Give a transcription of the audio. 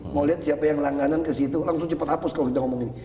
mau lihat siapa yang langganan ke situ langsung cepat hapus kalau kita ngomong ini